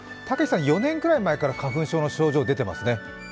たけしさん、４年ぐらい前から花粉症の症状出ていますね。